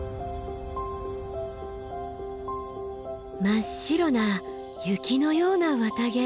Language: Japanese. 真っ白な雪のような綿毛。